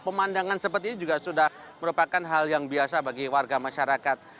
pemandangan seperti ini juga sudah merupakan hal yang biasa bagi warga masyarakat